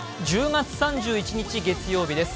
１０月３１日月曜日です。